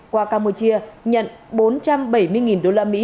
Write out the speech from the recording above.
qua campuchia nhận bốn trăm bảy mươi usd